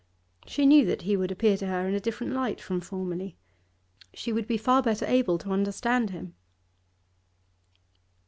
She knew that he would appear to her in a different light from formerly; she would be far better able to understand him.